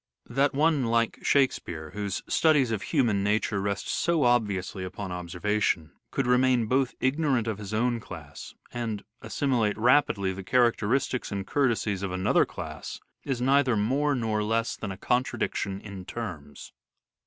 That one, like Shake speare, whose studies of human nature rest so obviously upon observation, could both remain ignorant of his own class and also assimilate rapidly the characteristics and courtesies of another class is neither more nor less than a contradiction in terms.